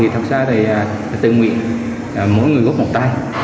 thật ra tự nguyện mỗi người góp một tay